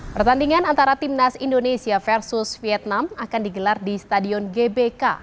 pertandingan antara timnas indonesia versus vietnam akan digelar di stadion gbk